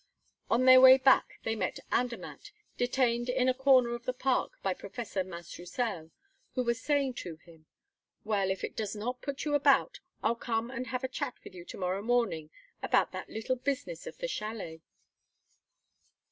On their way back they met Andermatt, detained in a corner of the park by Professor Mas Roussel, who was saying to him: "Well, if it does not put you about, I'll come and have a chat with you to morrow morning about that little business of the chalet."